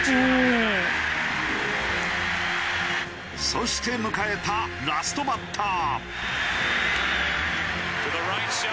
そして迎えたラストバッター。